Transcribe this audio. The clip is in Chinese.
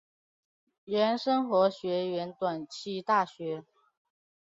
原生活学园短期大学。